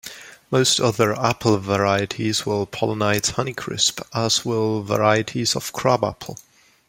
Most other apple varieties will pollenize Honeycrisp, as will varieties of crabapple.